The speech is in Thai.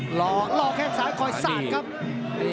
หลอกแข้งซ้ายคอยสั่นครับ